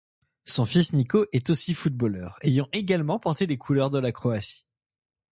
Son fils Niko est aussi footballeur, ayant également porté les couleurs de la Croatie.